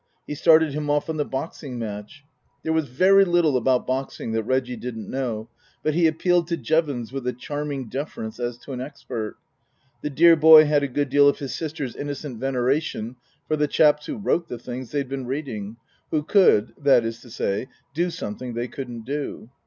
He started him off on the boxing match. There was very little about boxing that Reggie didn't know, but he appealed to Jevons with a charming deference as to an expert. The dear boy had a good deal of his sister's innocent venera tion for the chaps who wrote the things they'd been reading, who could, that is to say, do something they couldn't do.